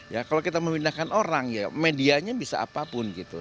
ya kalau kita memindahkan orang ya medianya bisa apapun gitu